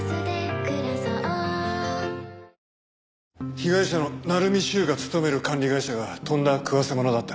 被害者の鳴海修が勤める管理会社がとんだ食わせものだった。